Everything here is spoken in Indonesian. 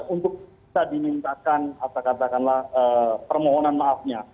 untuk bisa diminta permohonan maafnya